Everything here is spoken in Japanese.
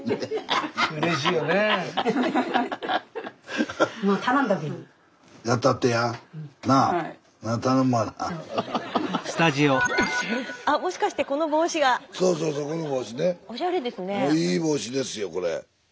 あいい帽子ですよこれ。